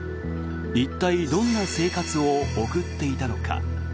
一体、どんな生活を送っていたのか。